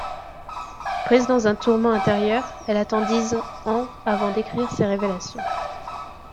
Prise dans un tourment intérieur, elle attend dix ans avant d'écrire ses révélations.